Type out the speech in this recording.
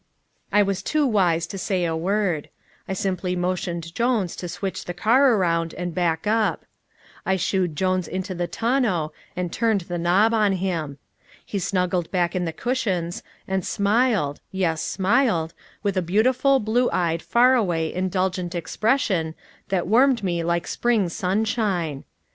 I was too wise to say a word. I simply motioned James to switch the car around and back up. I shooed Jones into the tonneau and turned the knob on him. He snuggled back in the cushions, and smiled yes smiled with a beautiful, blue eyed, far away, indulgent expression that warmed me like spring sunshine.